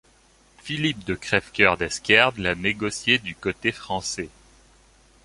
Philippe de Crèvecœur d'Esquerdes l'a négocié du côté français.